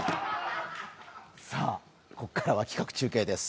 さぁ、ここからは企画中継です。